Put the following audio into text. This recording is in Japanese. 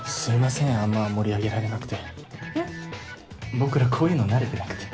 僕らこういうの慣れてなくて。